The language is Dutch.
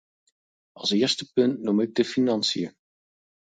Als eerste punt noem ik de financiën.